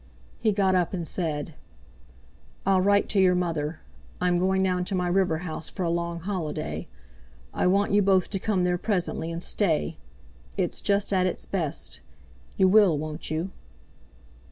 He got up, and said: "I'll write to your mother. I'm going down to my river house for a long holiday. I want you both to come there presently and stay. It's just at its best. You will, won't you?"